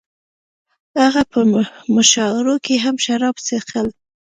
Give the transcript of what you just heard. هغه په مشاعرو کې هم شراب څښل